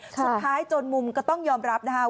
สุดท้ายจนมุมก็ต้องยอมรับนะคะ